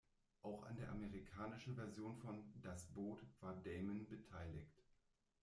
Auch an der amerikanischen Version von "Das Boot" war Damon beteiligt.